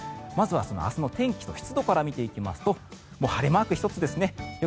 明日の天気と湿度から見ていきますと晴れマーク１つですね。